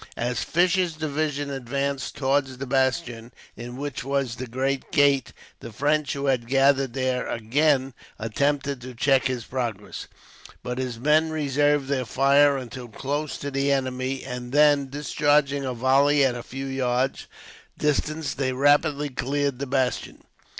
As Fisher's division advanced towards the bastion in which was the great gate, the French who had gathered there again attempted to check his progress. But his men reserved their fire, until close to the enemy; and then, discharging a volley at a few yards' distance, they rapidly cleared the bastion.